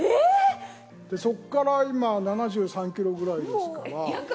そこから今は７３キロぐらいですから。